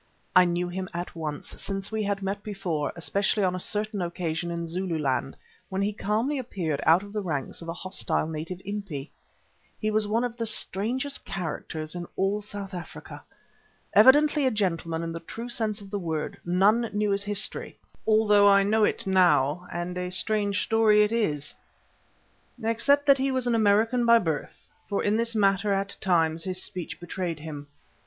I knew him at once, since we had met before, especially on a certain occasion in Zululand, when he calmly appeared out of the ranks of a hostile native impi. He was one of the strangest characters in all South Africa. Evidently a gentleman in the true sense of the word, none knew his history (although I know it now, and a strange story it is), except that he was an American by birth, for in this matter at times his speech betrayed him.